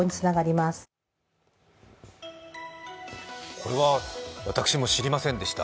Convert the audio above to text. これは、私も知りませんでした。